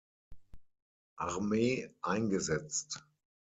Armee eingesetzt.